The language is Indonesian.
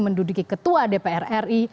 menduduki ketua dpr ri